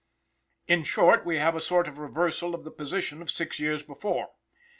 In short, we have a sort of reversal of the position of six years before.